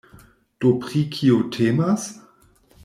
Do pri kio temas?